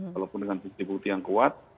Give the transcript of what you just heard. walaupun dengan bukti bukti yang kuat